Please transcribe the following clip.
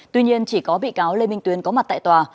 tuy nhiên chỉ có bị cáo lê minh tuyến có mặt tại tòa